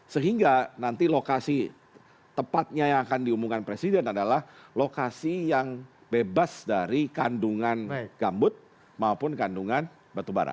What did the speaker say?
sehingga nanti lokasi tepatnya yang akan diumumkan presiden adalah lokasi yang bebas dari kandungan gambut maupun kandungan batubara